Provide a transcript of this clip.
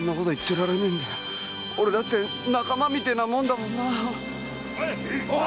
俺だって仲間みてえなもんだもんなぁ。